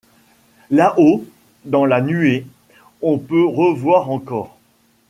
Là-haut, dans la nuée, on peut revoir encore